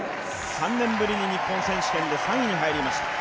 ３年ぶりに日本選手権で３位に入りました。